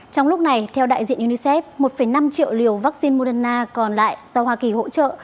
trong lúc này theo đại diện unicef một năm triệu liều vaccine moderna còn lại do hoa kỳ hỗ trợ